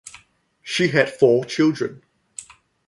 She had four children.